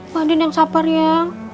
pak den yang sabar ya